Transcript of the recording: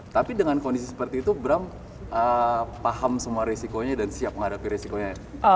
tapi dengan kondisi seperti itu bram paham semua risikonya dan siap menghadapi resikonya